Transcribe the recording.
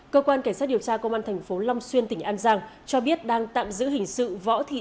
cơ quan cảnh sát điều tra công an tp long xuyên tỉnh an giang cho biết đang tạm giữ hình sự võ thị